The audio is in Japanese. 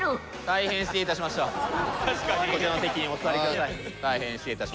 大変失礼いたしました。